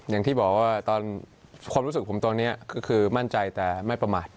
อย่างที่บอกว่าตอนความรู้สึกผมตอนนี้ก็คือมั่นใจแต่ไม่ประมาท